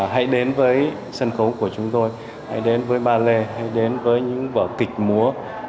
hãy đến với sân khấu của chúng tôi hãy đến với ballet hãy đến với những vở kịch múa